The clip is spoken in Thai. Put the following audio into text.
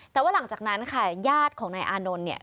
แต่ว่าหลังจากนั้นค่ะญาติของนายอานนท์เนี่ย